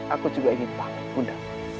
aku juga ingin panik bunda